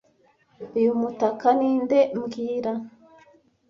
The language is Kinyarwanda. Uyu mutaka ni nde mbwira